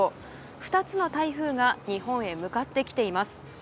２つの台風が日本へ向かってきています。